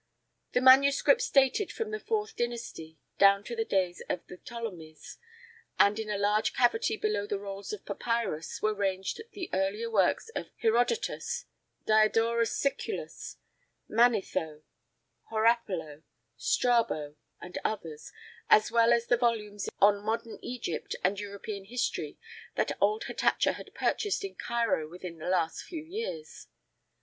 The manuscripts dated from the fourth dynasty down to the days of the Ptolemies, and, in a large cavity below the rolls of papyrus, were ranged the earlier works of Herodotus, Diodorus Siculus, Manetho, Horapello, Strabo and others, as well as the volumes on modern Egyptian and European history that old Hatatcha had purchased in Cairo within the last few years.